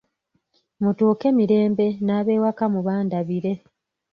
Mutuuke mirembe n’abewaka mubandabire.